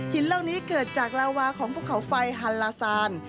เหล่านี้เกิดจากลาวาของภูเขาไฟฮันลาซาน